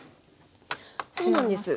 そうなんです。